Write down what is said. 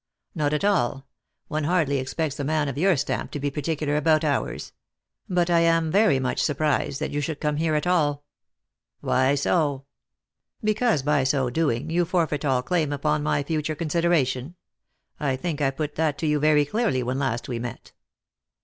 " Not at all ; one hardly expects a man of your stamp to be particular about hours. But I am very much surprised that you should come here at all." Lost for Love. 273 "Why so?" " Because by so doing you forfeit all claim upon my future consideration. I think I put that to you very clearly when last ■we met."